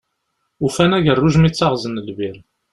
Ufan agerruj mi ttaɣzen lbir.